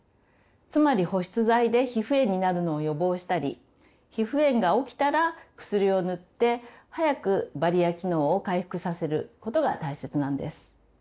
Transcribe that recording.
つまり保湿剤で皮膚炎になるのを予防したり皮膚炎が起きたら薬を塗って早くバリア機能を回復させることが大切なんです。